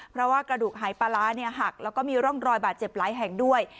เพราะว่ากระดูกหายปลาร้าหักแล้วก็มีร่องรอยบาดเจ็บหลายแห่งด้วย